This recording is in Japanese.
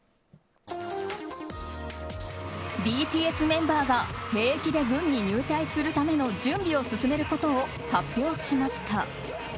ＢＴＳメンバーが兵役で軍に入隊するための準備を進めることを発表しました。